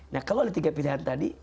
nah kalau ada tiga pilihan tadi